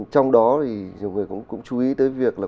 trong đó thì nhiều người cũng chú ý là